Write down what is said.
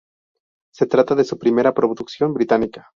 Se trata de su primera producción británica.